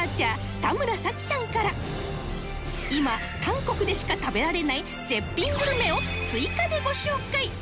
田村沙紀さんから今韓国でしか食べられない絶品グルメを追加でご紹介